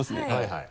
はい。